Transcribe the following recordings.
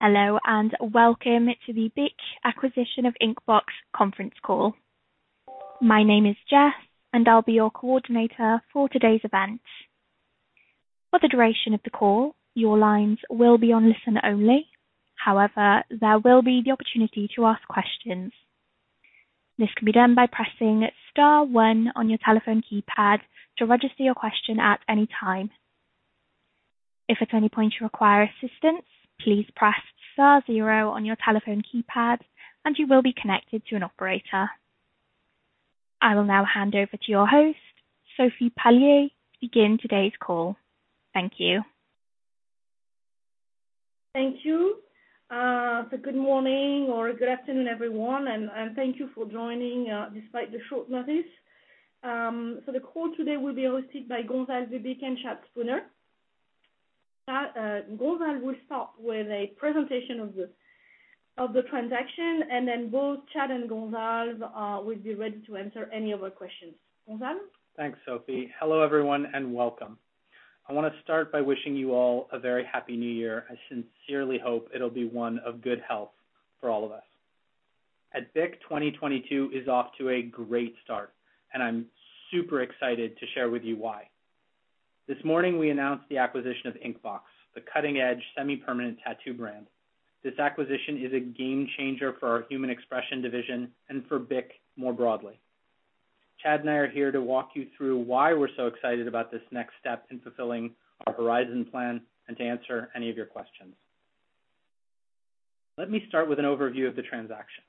Hello, and welcome to the BIC acquisition of Inkbox Conference Call. My name is Jess, and I'll be your coordinator for today's event. For the duration of the call, your lines will be on listen only. However, there will be the opportunity to ask questions. This can be done by pressing star one on your telephone keypad to register your question at any time. If at any point you require assistance, please press star zero on your telephone keypad, and you will be connected to an operator. I will now hand over to your host, Sophie Palliez-Capian, to begin today's call. Thank you. Thank you. Good morning or good afternoon, everyone, and thank you for joining despite the short notice. The call today will be hosted by Gonzalve Bich and Chad Spooner. Chad, Gonzalve will start with a presentation of the transaction, and then both Chad and Gonzalve will be ready to answer any other questions. Gonzalve? Thanks, Sophie. Hello, everyone, and welcome. I wanna start by wishing you all a very happy new year. I sincerely hope it'll be one of good health for all of us. At BIC, 2022 is off to a great start, and I'm super excited to share with you why. This morning we announced the acquisition of Inkbox, the cutting-edge semi-permanent tattoo brand. This acquisition is a game changer for our Human Expression division and for BIC more broadly. Chad and I are here to walk you through why we're so excited about this next step in fulfilling our Horizon plan and to answer any of your questions. Let me start with an overview of the transaction.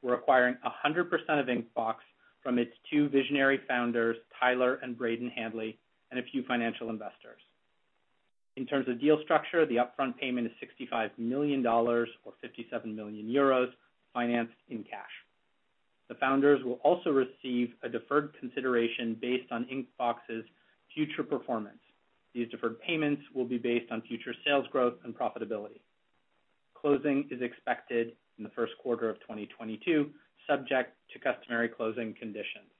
We're acquiring 100% of Inkbox from its two visionary founders, Tyler and Braden Handley, and a few financial investors. In terms of deal structure, the upfront payment is $65 million or 57 million euros financed in cash. The founders will also receive a deferred consideration based on Inkbox's future performance. These deferred payments will be based on future sales growth and profitability. Closing is expected in Q1 of 2022, subject to customary closing conditions.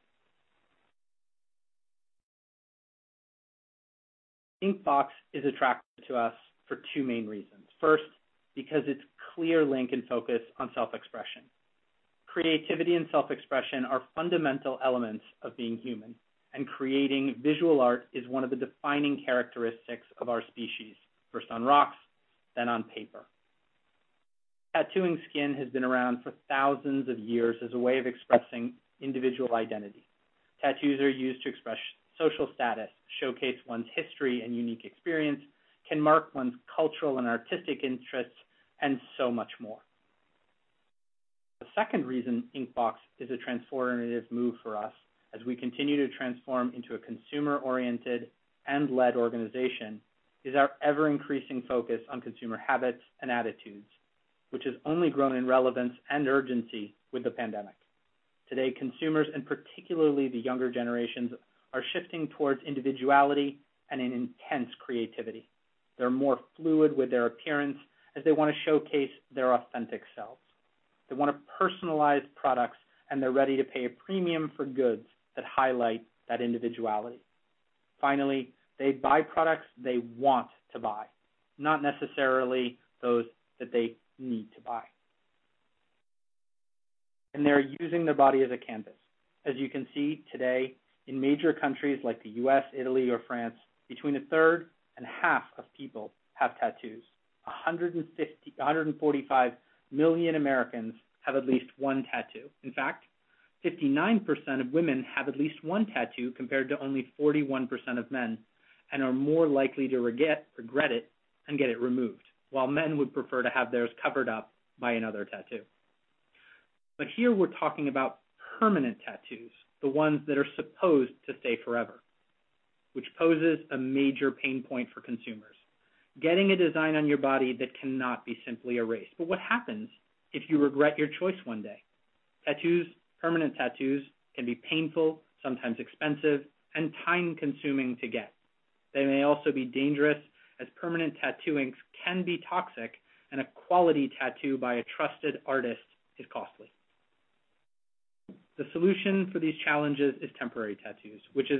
Inkbox is attractive to us for 2 main reasons. First, because its clear link and focus on self-expression. Creativity and self-expression are fundamental elements of being human, and creating visual art is one of the defining characteristics of our species, first on rocks, then on paper. Tattooing skin has been around for thousands of years as a way of expressing individual identity. Tattoos are used to express social status, showcase one's history and unique experience, can mark one's cultural and artistic interests, and so much more. The second reason Inkbox is a transformative move for us as we continue to transform into a consumer-oriented and led organization, is our ever-increasing focus on consumer habits and attitudes, which has only grown in relevance and urgency with the pandemic. Today, consumers, and particularly the younger generations, are shifting towards individuality and an intense creativity. They're more fluid with their appearance as they wanna showcase their authentic selves. They wanna personalize products, and they're ready to pay a premium for goods that highlight that individuality. Finally, they buy products they want to buy, not necessarily those that they need to buy. They're using their body as a canvas. As you can see today in major countries like the US, Italy, or France, between a third and half of people have tattoos. 145 million Americans have at least one tattoo. In fact, 59% of women have at least one tattoo compared to only 41% of men, and are more likely to regret it and get it removed. While men would prefer to have theirs covered up by another tattoo. Here we're talking about permanent tattoos, the ones that are supposed to stay forever, which poses a major pain point for consumers, getting a design on your body that cannot be simply erased. What happens if you regret your choice one day? Tattoos, permanent tattoos, can be painful, sometimes expensive, and time-consuming to get. They may also be dangerous, as permanent tattoo inks can be toxic, and a quality tattoo by a trusted artist is costly. The solution for these challenges is temporary tattoos, which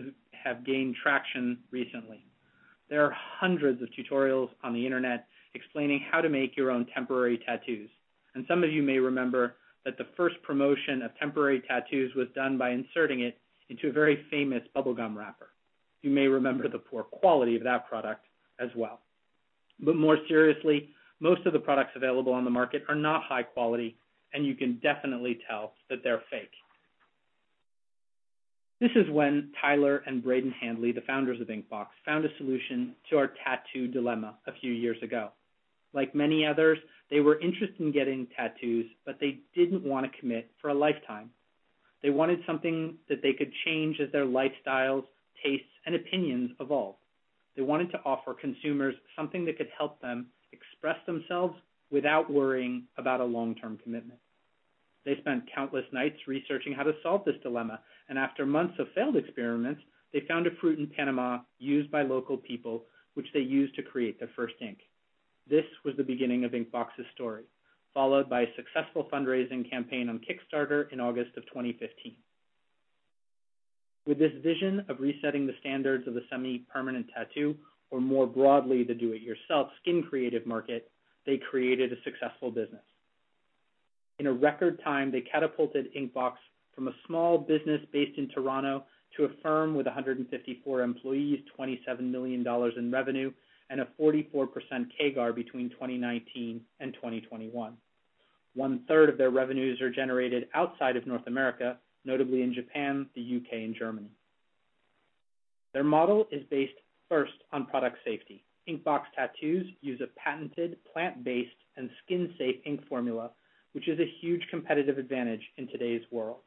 have gained traction recently. There are hundreds of tutorials on the internet explaining how to make your own temporary tattoos, and some of you may remember that the first promotion of temporary tattoos was done by inserting it into a very famous bubblegum wrapper. You may remember the poor quality of that product as well. More seriously, most of the products available on the market are not high quality, and you can definitely tell that they're fake. This is when Tyler and Braden Handley, the founders of Inkbox, found a solution to our tattoo dilemma a few years ago. Like many others, they were interested in getting tattoos, but they didn't wanna commit for a lifetime. They wanted something that they could change as their lifestyles, tastes, and opinions evolved. They wanted to offer consumers something that could help them express themselves without worrying about a long-term commitment. They spent countless nights researching how to solve this dilemma, and after months of failed experiments, they found a fruit in Panama used by local people, which they used to create their first ink. This was the beginning of Inkbox's story, followed by a successful fundraising campaign on Kickstarter in August of 2015. With this vision of resetting the standards of the semi-permanent tattoo, or more broadly, the do it yourself skin creative market, they created a successful business. In a record time, they catapulted Inkbox from a small business based in Toronto to a firm with 154 employees, $27 million in revenue, and a 44% CAGR between 2019 and 2021. 1/3 of their revenues are generated outside of North America, notably in Japan, the U.K., and Germany. Their model is based first on product safety. Inkbox tattoos use a patented plant-based and skin safe ink formula, which is a huge competitive advantage in today's world.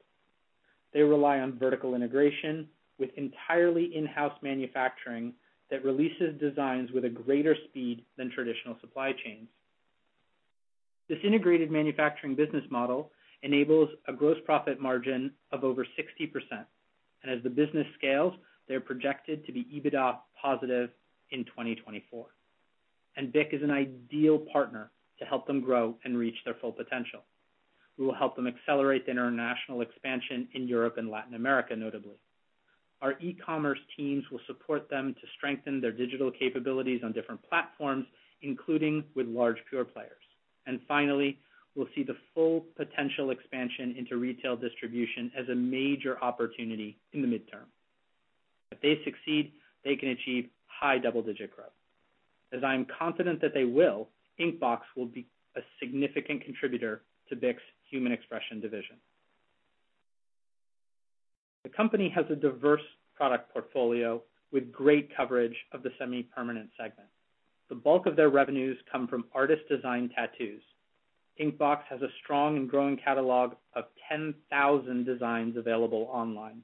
They rely on vertical integration with entirely in-house manufacturing that releases designs with a greater speed than traditional supply chains. This integrated manufacturing business model enables a gross profit margin of over 60%, and as the business scales, they're projected to be EBITDA positive in 2024. BIC is an ideal partner to help them grow and reach their full potential. We will help them accelerate the international expansion in Europe and Latin America, notably. Our e-commerce teams will support them to strengthen their digital capabilities on different platforms, including with large pure players. Finally, we'll see the full potential expansion into retail distribution as a major opportunity in the midterm. If they succeed, they can achieve high double-digits growth. As I am confident that they will, Inkbox will be a significant contributor to BIC's Human Expression Division. The company has a diverse product portfolio with great coverage of the semi-permanent segment. The bulk of their revenues come from artist design tattoos. Inkbox has a strong and growing catalog of 10,000 designs available online.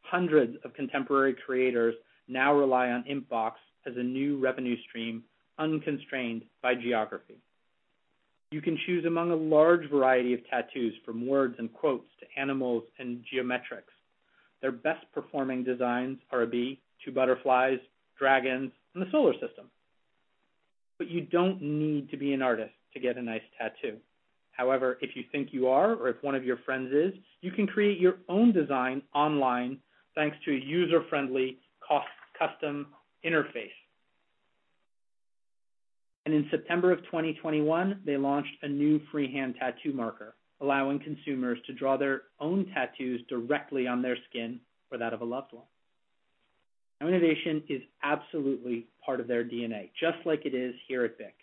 Hundreds of contemporary creators now rely on Inkbox as a new revenue stream, unconstrained by geography. You can choose among a large variety of tattoos, from words and quotes to animals and geometrics. Their best performing designs are a bee, two butterflies, dragons, and the solar system. But you don't need to be an artist to get a nice tattoo. However, if you think you are or if one of your friends is, you can create your own design online thanks to a user-friendly custom interface. In September of 2021, they launched a new freehand tattoo marker, allowing consumers to draw their own tattoos directly on their skin or that of a loved one. Innovation is absolutely part of their DNA, just like it is here at BIC.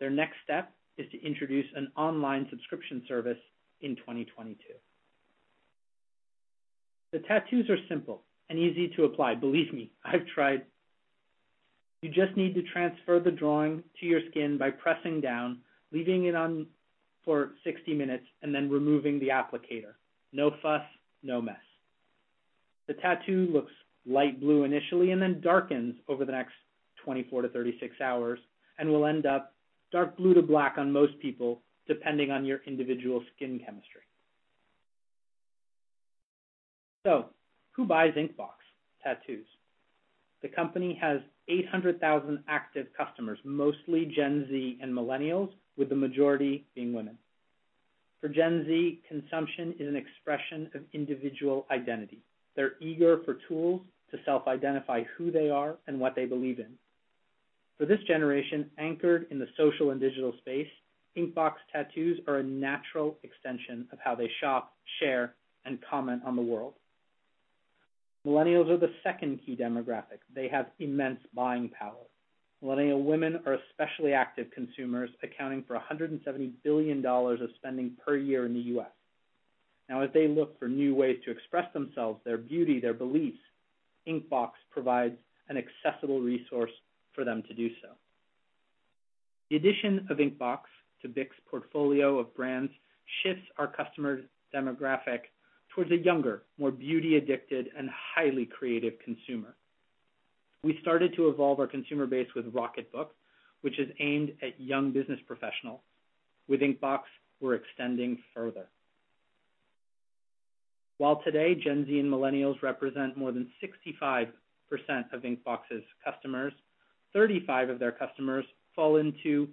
Their next step is to introduce an online subscription service in 2022. The tattoos are simple and easy to apply. Believe me, I've tried. You just need to transfer the drawing to your skin by pressing down, leaving it on for 60 minutes, and then removing the applicator. No fuss, no mess. The tattoo looks light blue initially and then darkens over the next 24-36 hours and will end up dark blue to black on most people, depending on your individual skin chemistry. Who buys Inkbox tattoos? The company has 800,000 active customers, mostly Gen Z and millennials, with the majority being women. For Gen Z, consumption is an expression of individual identity. They're eager for tools to self-identify who they are and what they believe in. For this generation, anchored in the social and digital space, Inkbox tattoos are a natural extension of how they shop, share, and comment on the world. Millennials are the second key demographic. They have immense buying power. Millennial women are especially active consumers, accounting for $170 billion of spending per year in the US Now, as they look for new ways to express themselves, their beauty, their beliefs, Inkbox provides an accessible resource for them to do so. The addition of Inkbox to BIC's portfolio of brands shifts our customers' demographic towards a younger, more beauty-addicted, and highly creative consumer. We started to evolve our consumer base with Rocketbook, which is aimed at young business professionals. With Inkbox, we're extending further. While today, Gen Z and millennials represent more than 65% of Inkbox's customers, 35% of their customers fall into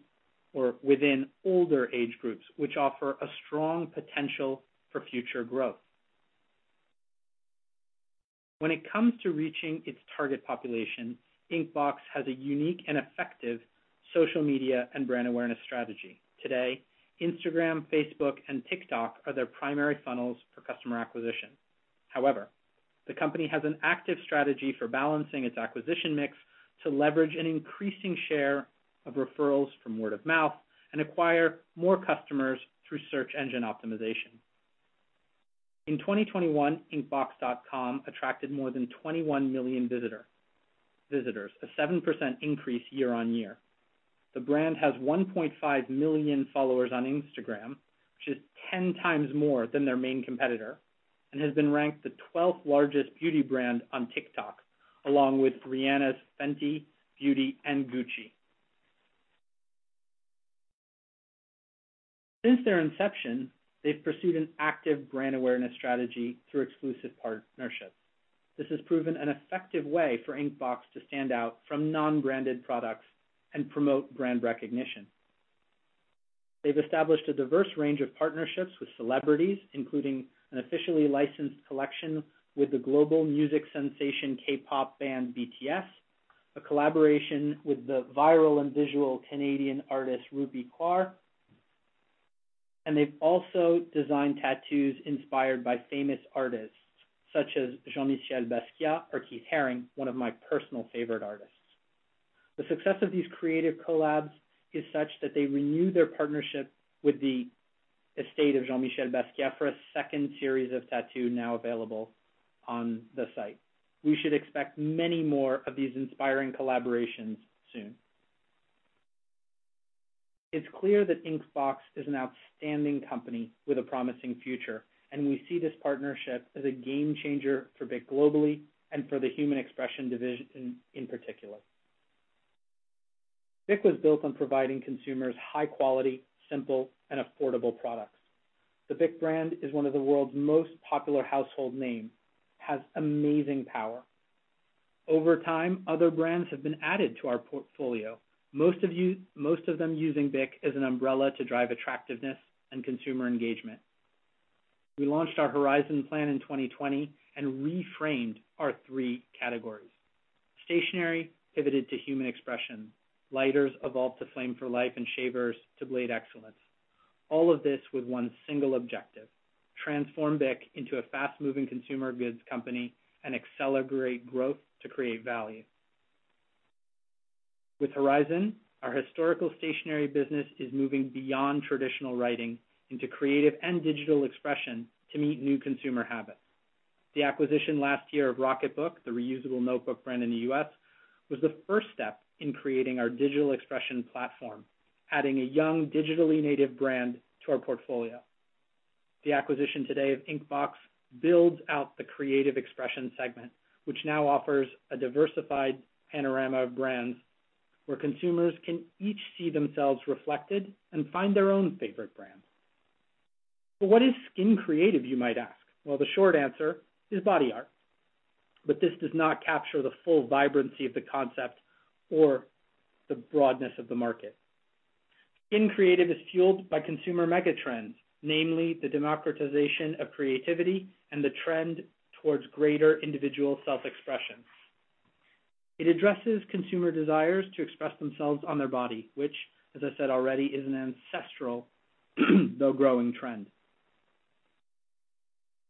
or within older age groups, which offer a strong potential for future growth. When it comes to reaching its target population, Inkbox has a unique and effective social media and brand awareness strategy. Today, Instagram, Facebook, and TikTok are their primary funnels for customer acquisition. However, the company has an active strategy for balancing its acquisition mix to leverage an increasing share of referrals from word of mouth and acquire more customers through search engine optimization. In 2021, inkbox.com attracted more than 21 million visitors, a 7% increase year-over-year. The brand has 1.5 million followers on Instagram, which is 10 times more than their main competitor, and has been ranked the twelfth largest beauty brand on TikTok, along with Rihanna's Fenty Beauty and Gucci. Since their inception, they've pursued an active brand awareness strategy through exclusive partnerships. This has proven an effective way for Inkbox to stand out from non-branded products and promote brand recognition. They've established a diverse range of partnerships with celebrities, including an officially licensed collection with the global music sensation K-pop band BTS, a collaboration with the viral and visual Canadian artist Ruby Silvius, and they've also designed tattoos inspired by famous artists such as Jean-Michel Basquiat or Keith Haring, one of my personal favorite artists. The success of these creative collabs is such that they renew their partnership with the estate of Jean-Michel Basquiat for a second series of tattoo now available on the site. We should expect many more of these inspiring collaborations soon. It's clear that Inkbox is an outstanding company with a promising future, and we see this partnership as a game-changer for BIC globally and for the Human Expression division in particular. BIC was built on providing consumers high quality, simple and affordable products. The BIC brand is one of the world's most popular household names, has amazing power. Over time, other brands have been added to our portfolio, most of them using BIC as an umbrella to drive attractiveness and consumer engagement. We launched our Horizon plan in 2020 and reframed our three categories. Stationery pivoted to Human Expression, lighters evolved to Flame for Life, and shavers to Blade Excellence. All of this with one single objective, transform BIC into a fast-moving consumer goods company and accelerate growth to create value. With Horizon, our historical stationery business is moving beyond traditional writing into creative and Digital Expression to meet new consumer habits. The acquisition last year of Rocketbook, the reusable notebook brand in the US, was the first step in creating our Digital Expression platform, adding a young digitally native brand to our portfolio. The acquisition today of Inkbox builds out the creative expression segment, which now offers a diversified panorama of brands where consumers can each see themselves reflected and find their own favorite brands. What is Skin Creative, you might ask? Well, the short answer is body art. This does not capture the full vibrancy of the concept or the broadness of the market. Skin Creative is fueled by consumer mega trends, namely the democratization of creativity and the trend towards greater individual self-expression. It addresses consumer desires to express themselves on their body, which, as I said already, is an ancestral, though growing trend.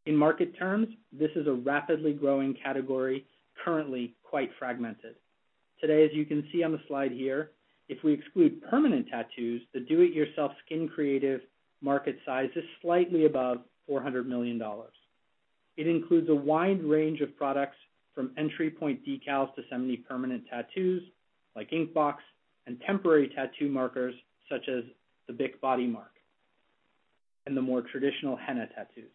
In market terms, this is a rapidly growing category, currently quite fragmented. Today, as you can see on the slide here, if we exclude permanent tattoos, the do-it-yourself Skin Creative market size is slightly above $400 million. It includes a wide range of products from entry point decals to semi-permanent tattoos like Inkbox and temporary tattoo markers such as the BodyMark by BIC and the more traditional henna tattoos.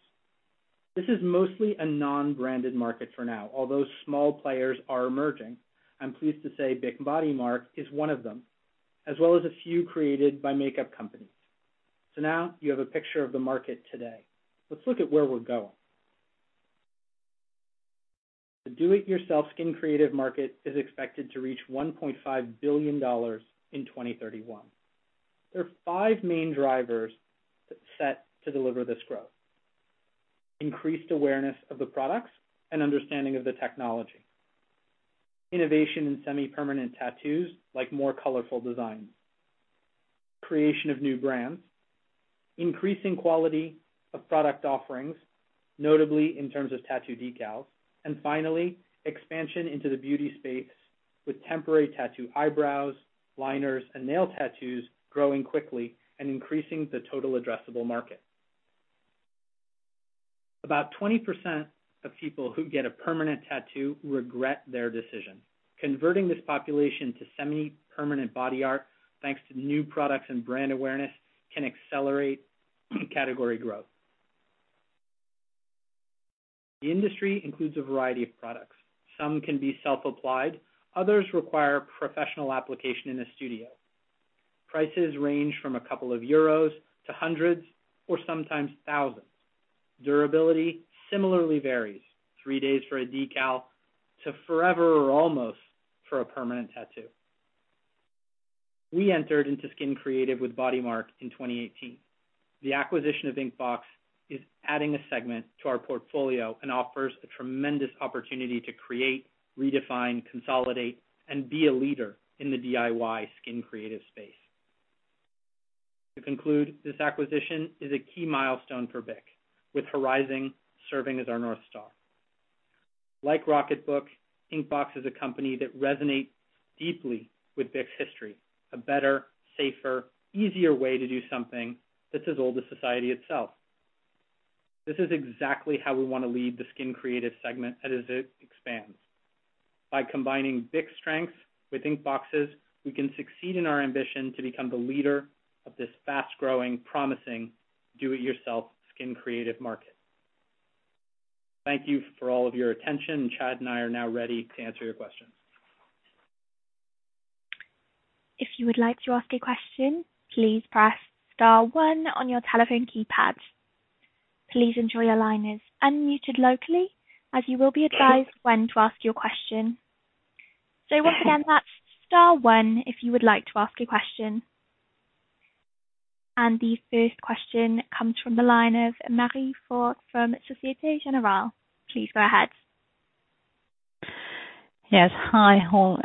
This is mostly a non-branded market for now, although small players are emerging. I'm pleased to say BodyMark by BIC is one of them, as well as a few created by makeup companies. Now you have a picture of the market today. Let's look at where we're going. The do-it-yourself Skin Creative market is expected to reach $1.5 billion in 2031. There are five main drivers set to deliver this growth. Increased awareness of the products and understanding of the technology. Innovation in semi-permanent tattoos, like more colorful designs. Creation of new brands. Increasing quality of product offerings, notably in terms of tattoo decals. Finally, expansion into the beauty space with temporary tattoo eyebrows, liners, and nail tattoos growing quickly and increasing the total addressable market. About 20% of people who get a permanent tattoo regret their decision. Converting this population to semi-permanent body art, thanks to new products and brand awareness, can accelerate category growth. The industry includes a variety of products. Some can be self-applied. Others require professional application in a studio. Prices range from a couple of EUR to hundreds or sometimes thousands of EUR. Durability similarly varies, three days for a decal to forever or almost for a permanent tattoo. We entered into Skin Creative with BodyMark in 2018. The acquisition of Inkbox is adding a segment to our portfolio and offers a tremendous opportunity to create, redefine, consolidate, and be a leader in the DIY Skin Creative space. To conclude, this acquisition is a key milestone for BIC, with Horizon serving as our North Star. Like Rocketbook, Inkbox is a company that resonates deeply with BIC's history, a better, safer, easier way to do something that's as old as society itself. This is exactly how we want to lead the Skin Creative segment as it expands. By combining BIC's strengths with Inkbox's, we can succeed in our ambition to become the leader of this fast-growing, promising do-it-yourself Skin Creative market. Thank you for all of your attention. Chad and I are now ready to answer your questions. If you could like to ask a question please press star 1 on your telephone keypad. Please ensure your line is unmuted locally as you will be advised when to ask a question. The first question comes from the line of Marie-Line Fort from Société Générale. Please go ahead. Yes. Hi, all.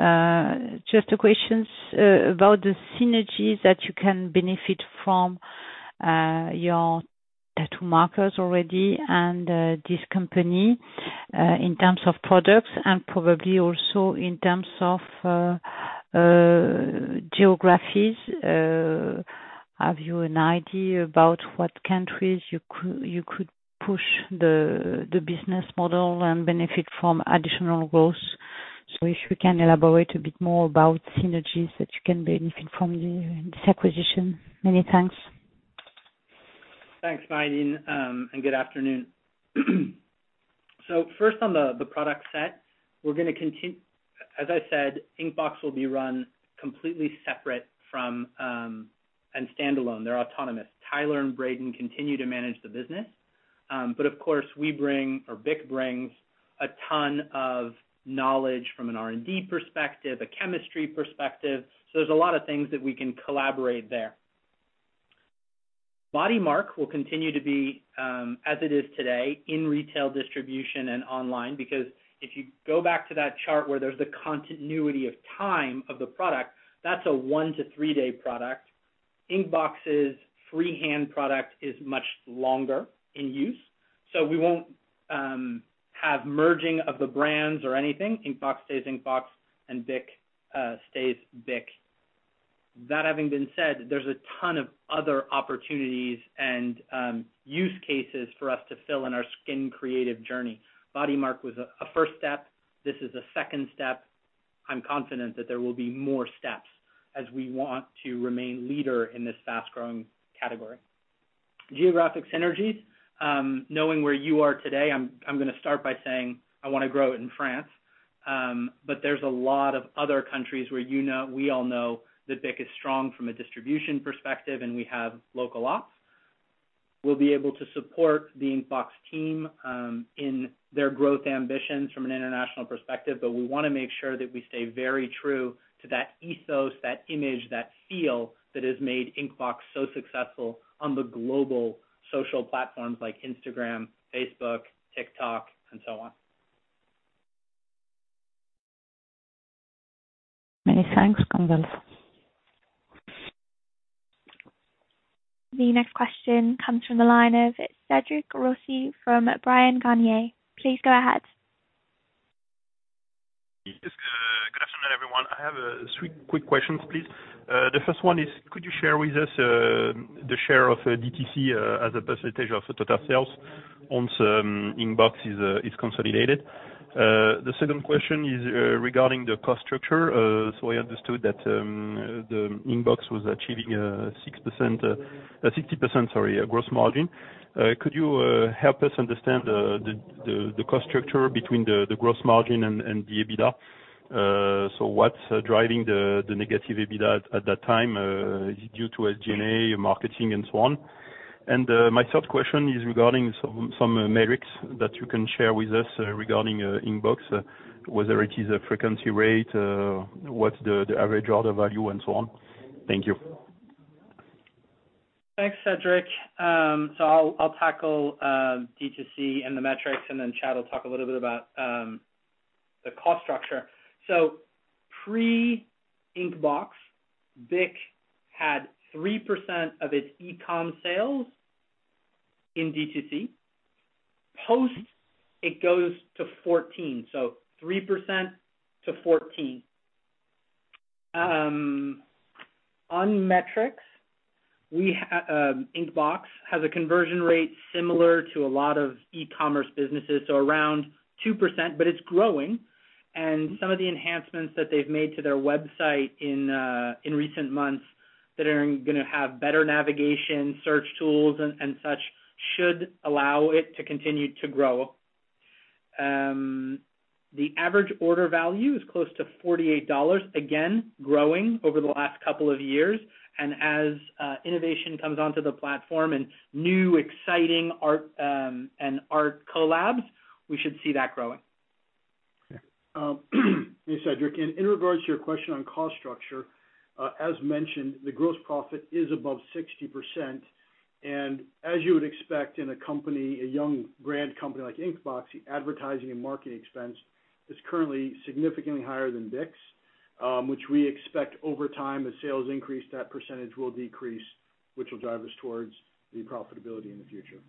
Just a question about the synergies that you can benefit from your tattoo markers already and this company in terms of products and probably also in terms of geographies. Have you an idea about what countries you could push the business model and benefit from additional growth? If you can elaborate a bit more about synergies that you can benefit from this acquisition. Many thanks. Thanks, Marie, and good afternoon. First on the product set, we're gonna. As I said, Inkbox will be run completely separate from and standalone. They're autonomous. Tyler and Braden continue to manage the business. But of course, we bring or BIC brings a ton of knowledge from an R&D perspective, a chemistry perspective, so there's a lot of things that we can collaborate there. BodyMark will continue to be as it is today, in retail distribution and online, because if you go back to that chart where there's the continuity of time of the product, that's a 1-3-day product. Inkbox's freehand product is much longer in use. We won't have merging of the brands or anything. Inkbox stays Inkbox, and BIC stays BIC. That having been said, there's a ton of other opportunities and use cases for us to fill in our Skin Creative journey. BodyMark was a first step. This is a second step. I'm confident that there will be more steps as we want to remain leader in this fast-growing category. Geographic synergies, knowing where you are today, I'm gonna start by saying I wanna grow it in France. But there's a lot of other countries where you know, we all know that BIC is strong from a distribution perspective, and we have local ops. We'll be able to support the Inkbox team in their growth ambitions from an international perspective, but we wanna make sure that we stay very true to that ethos, that image, that feel that has made Inkbox so successful on the global social platforms like Instagram, Facebook, TikTok, and so on. Many thanks. The next question comes from the line of Cédric Rossi from Bryan, Garnier & Co. Please go ahead. Yes, good afternoon, everyone. I have three quick questions, please. The first one is, could you share with us the share of DTC as a percentage of total sales once Inkbox is consolidated? The second question is regarding the cost structure. So I understood that the Inkbox was achieving 60%, sorry, gross margin. Could you help us understand the cost structure between the gross margin and the EBITDA? So what's driving the negative EBITDA at that time? Is it due to SG&A, marketing, and so on? My third question is regarding some metrics that you can share with us regarding Inkbox, whether it is a frequency rate, what's the average order value, and so on. Thank you. Thanks, Cédric. I'll tackle D2C and the metrics, and then Chad will talk a little bit about the cost structure. Pre-Inkbox, BIC had 3% of its e-com sales in D2C. Post, it goes to 14, so 3% to 14%. On metrics, Inkbox has a conversion rate similar to a lot of e-commerce businesses, so around 2%, but it's growing. Some of the enhancements that they've made to their website in recent months that are gonna have better navigation, search tools and such should allow it to continue to grow. The average order value is close to $48, again, growing over the last couple of years. As innovation comes onto the platform and new exciting art and art collabs, we should see that growing. Okay. Hey, Cédric, in regards to your question on cost structure, as mentioned, the gross profit is above 60%. As you would expect in a company, a young brand company like Inkbox, the advertising and marketing expense is currently significantly higher than BIC's, which we expect over time as sales increase, that percentage will decrease, which will drive us towards the profitability in the future.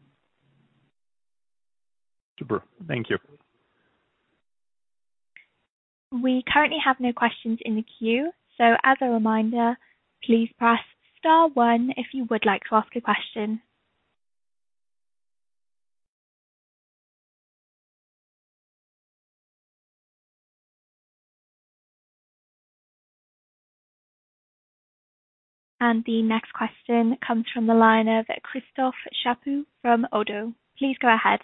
Super. Thank you. We currently have no questions in the queue. As a reminder, please press star one if you would like to ask a question. The next question comes from the line of Christophe Chaput from Oddo. Please go ahead.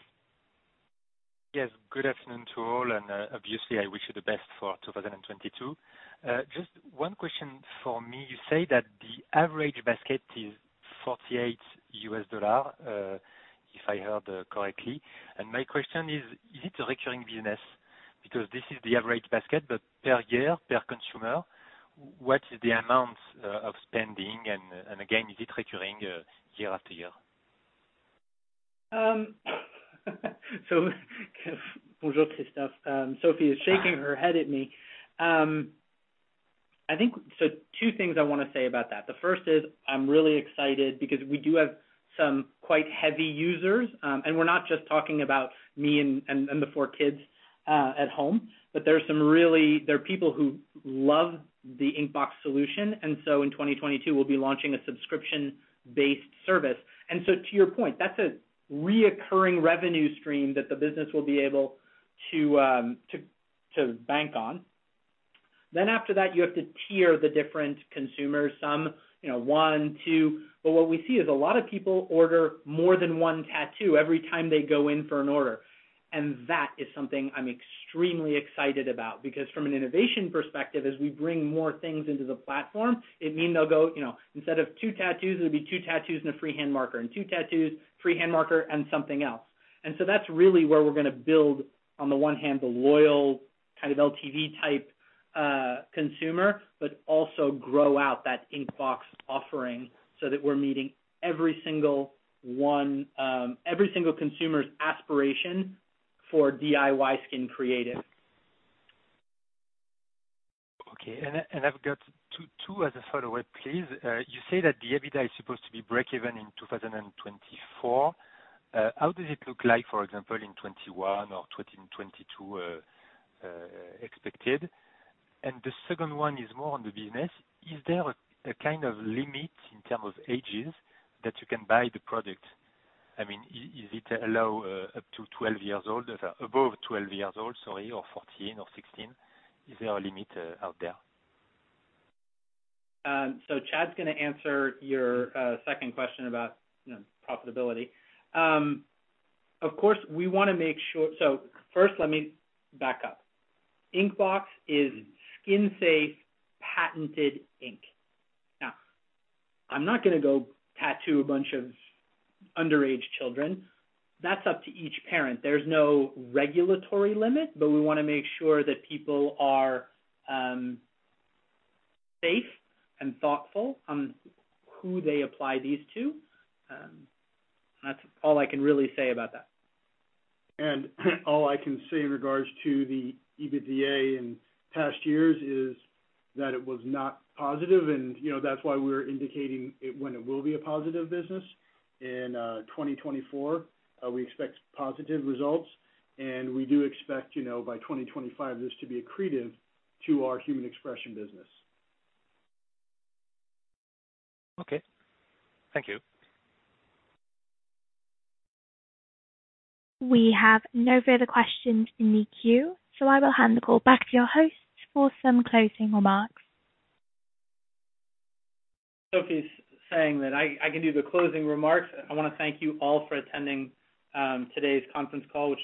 Yes. Good afternoon to all, and obviously, I wish you the best for 2022. Just one question for me. You say that the average basket is $48, if I heard correctly. My question is it a recurring business? Because this is the average basket, but per year, per consumer, what is the amount of spending? Again, is it recurring year-after-year? So bonjour, Christophe. Sophie is shaking her head at me. So two things I wanna say about that. The first is I'm really excited because we do have some quite heavy users. We're not just talking about me and the 4 kids at home, but there are people who love the Inkbox solution. In 2022, we'll be launching a subscription-based service. To your point, that's a recurring revenue stream that the business will be able to bank on. After that, you have to tier the different consumers. Some, you know, 1, 2. What we see is a lot of people order more than 1 tattoo every time they go in for an order. That is something I'm extremely excited about because from an innovation perspective, as we bring more things into the platform, it means they'll go, you know, instead of two tattoos, it'll be two tattoos and a freehand marker and two tattoos, freehand marker, and something else. That's really where we're gonna build, on the one hand, the loyal kind of LTV type consumer, but also grow out that Inkbox offering so that we're meeting every single one, every single consumer's aspiration for DIY Skin Creative. Okay. I've got two as a follow-up, please. You say that the EBITDA is supposed to be breakeven in 2024. How does it look like, for example, in 2021 or 2022, expected? The second one is more on the business. Is there a kind of limit in terms of age that you can buy the product? I mean, is it allowed up to 12-years old? Above 12-years old, sorry, or 14 or 16? Is there a limit out there? Chad's gonna answer your second question about, you know, profitability. Of course, we wanna make sure. First let me back up. Inkbox is skin safe patented ink. Now, I'm not gonna go tattoo a bunch of underage children. That's up to each parent. There's no regulatory limit, but we wanna make sure that people are safe and thoughtful on who they apply these to. That's all I can really say about that. All I can say in regards to the EBITDA in past years is that it was not positive and, you know, that's why we're indicating it, when it will be a positive business. In 2024, we expect positive results, and we do expect, you know, by 2025, this to be accretive to our Human Expression business. Okay. Thank you. We have no further questions in the queue, so I will hand the call back to your host for some closing remarks. Sophie's saying that I can do the closing remarks. I wanna thank you all for attending, today's Conference Call, which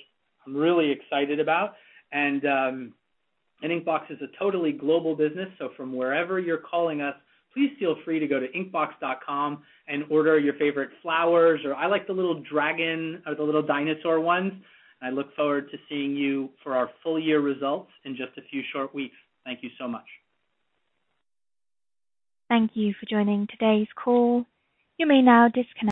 I'm really excited about. Inkbox is a totally global business, so from wherever you're calling us, please feel free to go to inkbox.com and order your favorite flowers or I like the little dragon or the little dinosaur ones. I look forward to seeing you for our full year results in just a few short weeks. Thank you so much. Thank you for joining today's call. You may now disconnect.